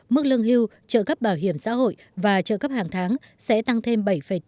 mức lương hưu trợ cấp bảo hiểm xã hội và trợ cấp hàng tháng sẽ tăng thêm bảy tám